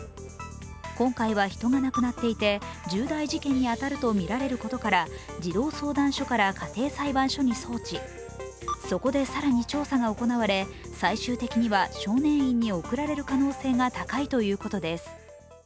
今回は人が亡くなっていて重大事件に当たるとみられることから、児童相談所から家庭裁判所に送致、そこで更に調査が行われ最終的には少年院に送られる可能性が高いということです。